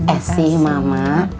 eh sih mama